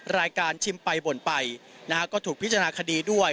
รายการชิมไปบ่นไปนะครับก็ถูกพิจารณาคดีด้วย